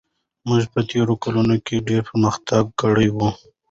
موږ په تېرو کلونو کې ډېر پرمختګ کړی و.